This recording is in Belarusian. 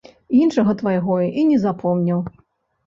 Іншага твайго і не запомніў.